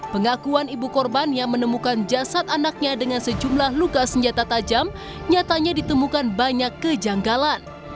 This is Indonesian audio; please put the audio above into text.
pengakuan ibu korban yang menemukan jasad anaknya dengan sejumlah luka senjata tajam nyatanya ditemukan banyak kejanggalan